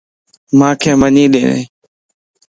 مانک منجي ڏيت